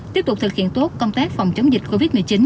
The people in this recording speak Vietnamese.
tiếp tục thực hiện tốt công tác phòng chống dịch covid một mươi chín